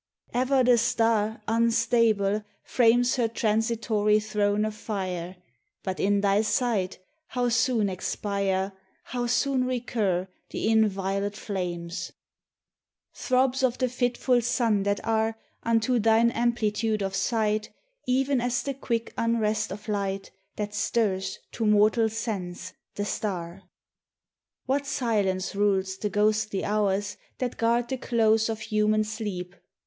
Ever the star, unstable, frames Her transitory throne of fire, But in thy sight how soon expire, How soon recur, the inviolate flames ! Throbs of the fitful sun that are Unto thine amplitude of sight, Even as the quick unrest of light That stirs, to mortal sense, the star. What silence rules the ghostly hours That guard the close of human sleep!